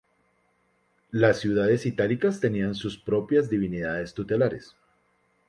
Las ciudades itálicas tenían sus propias divinidades tutelares.